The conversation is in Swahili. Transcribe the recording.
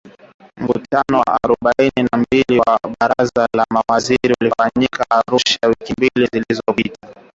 Mkutano wa arobaini na mbili wa Baraza la Mawaziri ulifanyika Arusha, wiki mbili zilizopita.